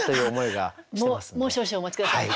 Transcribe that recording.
もう少々お待ち下さい。